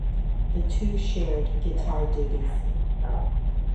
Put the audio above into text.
The two shared guitar duties.